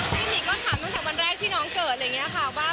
พี่หมีก็ถามตั้งแต่วันแรกที่น้องเกิดอะไรอย่างนี้ค่ะว่า